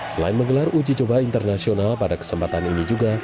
selain menggelar uji coba internasional pada kesempatan ini juga